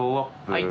はい。